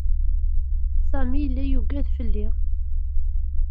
Sami yella yuggad fell-i.